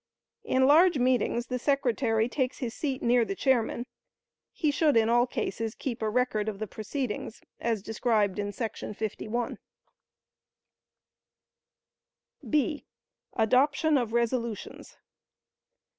In large meetings the secretary takes his seat near the chairman: he should in all cases keep a record of the proceedings as described in § 51. (b) Adoption of Resolutions.